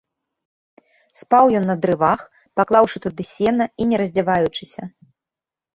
Спаў ён на дрывах, паклаўшы туды сена і не раздзяваючыся.